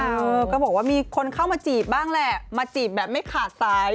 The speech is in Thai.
เออก็บอกว่ามีคนเข้ามาจีบบ้างแหละมาจีบแบบไม่ขาดสาย